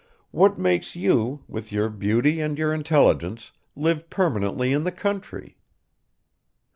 What makes you, with your beauty and your intelligence, live permanently in the country?"